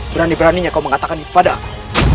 berani beraninya kau mengatakan itu pada aku